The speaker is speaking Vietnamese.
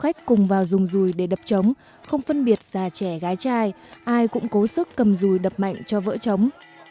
trong lễ đập trống không phân biệt già trẻ gái trai ai cũng cố sức cầm rùi đập mạnh cho vỡ trống